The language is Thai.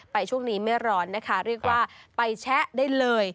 ช่วงนี้ไม่ร้อนนะคะเรียกว่าไปแชะได้เลย